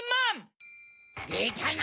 でたな！